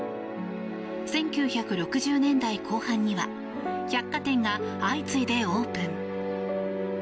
１９６０年代後半には百貨店が相次いでオープン。